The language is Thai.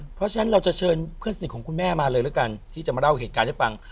เพราะฉะนั้นเราจะเชิญเพื่อนสนิทของคุณแม่มาเลยแล้วกันที่จะมาเล่าเหตุการณ์ให้ฟัง